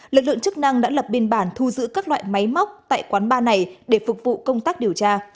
lực lượng chức năng đã lập biên bản thu giữ các loại máy móc tại quán bar này để phục vụ công tác điều tra